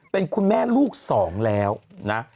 เป็นคุณแม่ลูกสองแล้วนะ